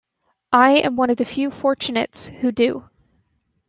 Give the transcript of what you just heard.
I am one of the few fortunates who do.